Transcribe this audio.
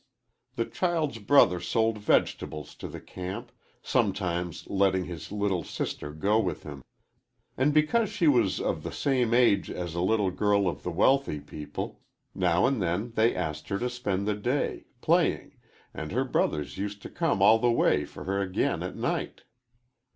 The child's brother sold vegetables to the camp, sometimes letting his little sister go with him. And because she was of the same age as a little girl of the wealthy people, now and then they asked her to spend the day, playing, and her brother used to come all the way for her again at night.